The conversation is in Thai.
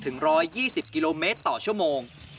๑๒๐กิโลเมตรต่อชั่วโมง